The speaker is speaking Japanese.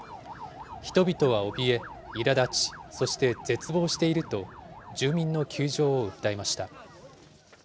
人々はおびえ、いらだち、そして絶望していると住民の窮状を訴えました。